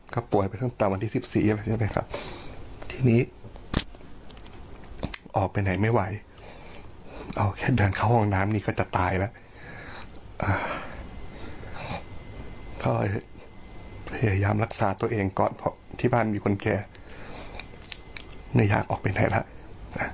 ก็พยายามรักษาตัวเองก่อนเพราะว่าที่บ้านมีคนแก่ไม่อยากออกไปไหนแล้ว